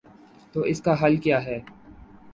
تو اس کا حل کیا ہے؟